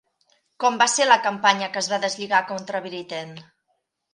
Com va ser la campanya que es va deslligar contra Britten?